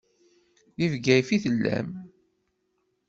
Deg Bgayet i tellam.